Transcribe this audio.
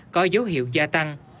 có dấu hiệu gia tăng